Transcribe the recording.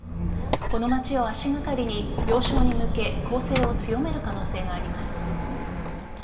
この町を足がかりに要衝に向け攻勢を強める可能性があります。